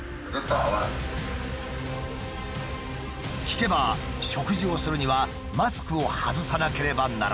聞けば食事をするにはマスクを外さなければならない。